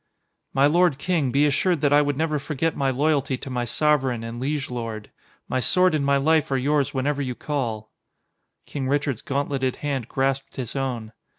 "My lord king, be assured that I would never forget my loyalty to my sovereign and liege lord. My sword and my life are yours whenever you call." King Richard's gauntleted hand grasped his own.